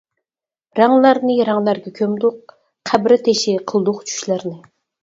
رەڭلەرنى رەڭلەرگە كۆمدۇق، قەبرە تېشى قىلدۇق چۈشلەرنى.